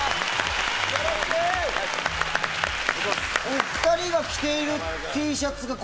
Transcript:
お２人が着ている。